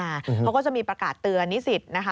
เขาก็จะมีประกาศเตือนนิสิตนะคะ